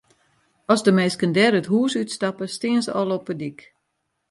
As de minsken dêr it hûs út stappe, stean se al op de dyk.